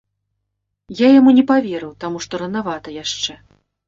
Я яму не паверыў, таму што ранавата яшчэ.